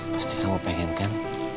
pasti kamu pengen kan